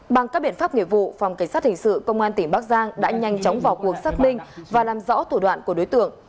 bằng các biện pháp nghiệp vụ phòng cảnh sát hình sự công an tỉnh bắc giang đã nhanh chóng vào cuộc xác minh và làm rõ thủ đoạn của đối tượng